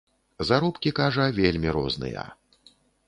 Заробкі, кажа, вельмі розныя.